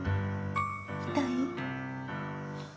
痛い？